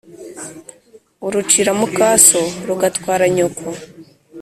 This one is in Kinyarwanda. Urucira mukaso rugatwara nyoko.